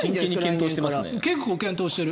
結構、検討してる。